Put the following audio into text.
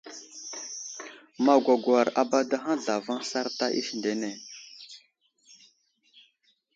Magwagwar abadahaŋ zlavaŋ sarta isindene.